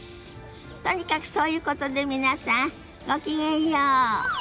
とにかくそういうことで皆さんごきげんよう。